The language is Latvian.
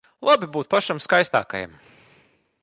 Labi būt pašam skaistākajam.